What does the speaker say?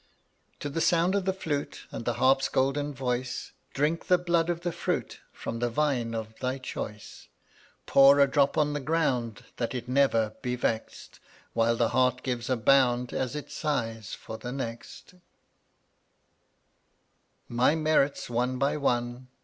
136 To the sound of the flute And the harp's golden voice, Drink the blood of the fruit From the vine of thy choice. Pour a drop on the ground That it never be vexed, While the heart gives a bound As it sighs for the next. eutt<$ 137 My merits one by one, d^tftA?